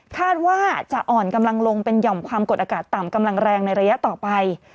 คาดว่าจะอ่อนกำลังลงเป็นหย่อมความกดอากาศต่ำกำลังแรงในระยะต่อไป